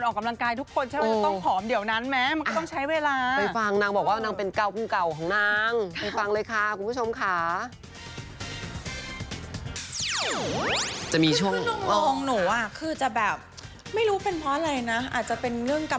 คู่เอาไงอ่ะคนออกกำลังกายทุกคนจะโอ